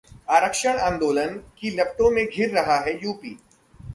आरक्षण आंदोलन की लपटों में घिर रहा है यूपी